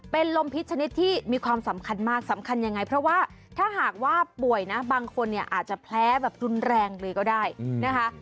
เป็นลมพิษชนิดที่มีความสำคัญมากสำคัญยังไงเพราะว่าถ้าหากว่าป่วยนะบางคนเนี่ยอาจจะแพ้แบบรุนแรงเลยก็ได้นะคะ